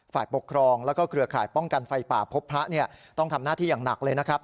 ฝ่ายปกครองแล้วก็เครือข่ายป้องกันไฟป่าพบพระต้องทำหน้าที่อย่างหนักเลยนะครับ